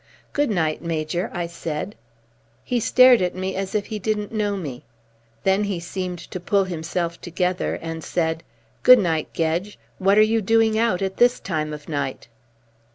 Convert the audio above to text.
"'Good night, Major,' I said. "He stared at me as if he didn't know me. Then he seemed to pull himself together and said: 'Good night, Gedge. What are you doing out at this time of night?'